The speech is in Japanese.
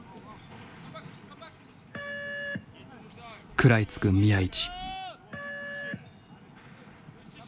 食らいつく宮市。